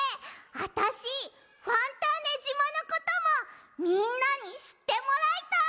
あたしファンターネじまのこともみんなにしってもらいたい！